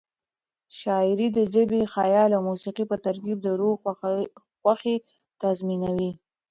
شاعري د ژبې، خیال او موسيقۍ په ترکیب د روح خوښي تضمینوي.